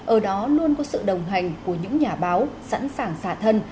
ở đó luôn có sự đồng hành của những nhà báo sẵn sàng xả thân